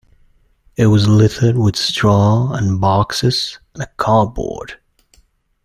It was littered with straw and boxes, and cardboard.